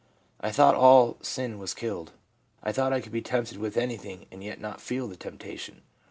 I thought all sin was killed. I thought I could be tempted with anything and yet not feel the temptation.